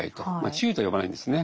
治癒とは呼ばないんですね。